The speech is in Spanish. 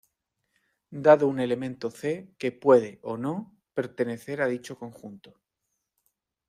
Dado un elemento C que puede o no pertenecer a dicho conjunto.